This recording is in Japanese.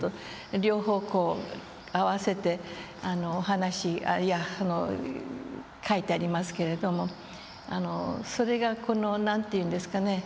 両方合わせてお話書いてありますけれどもそれがこの何て言うんですかね